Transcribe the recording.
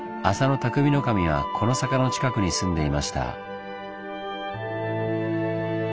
内匠頭はこの坂の近くに住んでいました。